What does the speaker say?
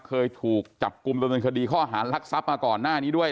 เคยถูกจับกลุ่มดำเนินคดีข้อหารลักทรัพย์มาก่อนหน้านี้ด้วย